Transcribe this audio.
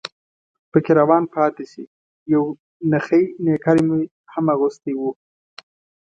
پکې روان پاتې شي، یو نخی نیکر مې هم اغوستی و.